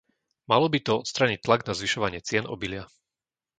Malo by to odstrániť tlak na zvyšovanie cien obilia.